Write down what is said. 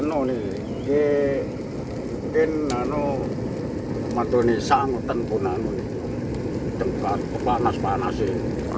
banyaknya basin lalu ke madonezanettre melepakkan sampah pada bulanda dartre